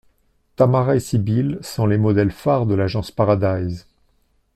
Tamara et Sybille sont les modèles phares de l'agence Paradise.